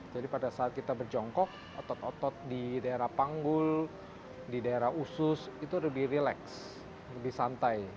jadi pada saat kita berjongkok otot otot di daerah panggul di daerah usus itu lebih relax lebih santai